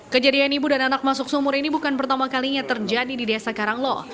kejadian ibu dan anak masuk sumur ini bukan pertama kalinya terjadi di desa karanglo